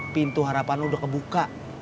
pintu harapan udah kebuka